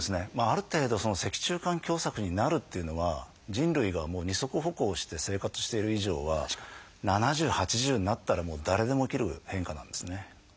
ある程度脊柱管狭窄になるというのは人類が二足歩行をして生活している以上は７０８０になったら誰でも起きる変化なんですね。